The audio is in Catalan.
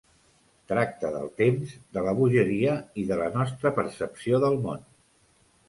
Tracta del temps, de la bogeria i de la nostra percepció del món.